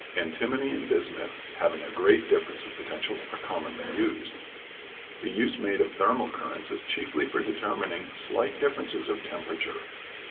Antimony and bismuth having a great difference of potential are commonly used. The use made of thermal currents is chiefly for determining slight differences of temperature.